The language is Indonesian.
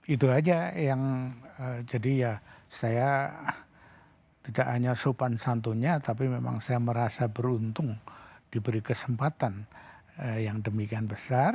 itu aja yang jadi ya saya tidak hanya sopan santunnya tapi memang saya merasa beruntung diberi kesempatan yang demikian besar